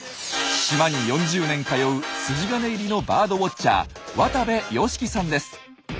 島に４０年通う筋金入りのバードウォッチャー渡部良樹さんです。